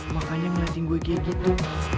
makanya ngeliatin gue giat gitu